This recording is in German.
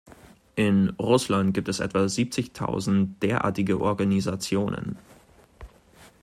In Russland gibt es etwa siebzigtausend derartige Organisationen.